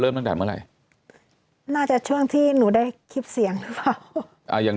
ตั้งแต่เมื่อไหร่น่าจะช่วงที่หนูได้คลิปเสียงหรือเปล่าอ่าอย่าง